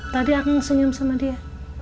tadi aku senyum sama dia